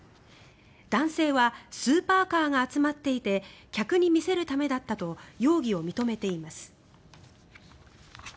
男性はスーパーカーが集まっていて客に見せるためだったと容疑を認めています。